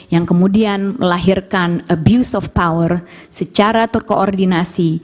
yang kemudian melahirkan abuse of power secara terkoordinasi